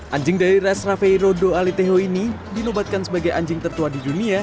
anjing dari ras raveiro do alitejo ini dinobatkan sebagai anjing tertua di dunia